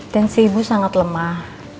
tensi ibu sangat lemah